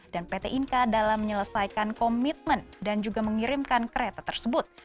dan pt inka dalam menyelesaikan komitmen dan juga mengirimkan kereta tersebut